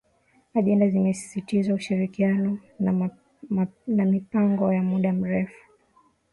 Ajenda zimesisitiza ushirikiano na mipango ya muda mrefu